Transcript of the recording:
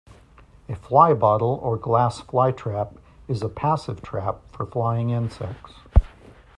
A fly bottle or glass flytrap is a passive trap for flying insects.